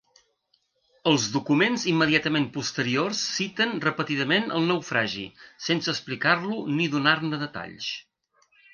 Els documents immediatament posteriors citen repetidament el naufragi sense explicar-lo ni donar-ne detalls.